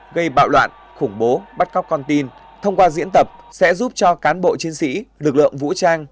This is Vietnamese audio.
gây bạo loạn khủng bố bắt cóc con tin thông qua diễn tập sẽ giúp cho cán bộ chiến sĩ lực lượng vũ trang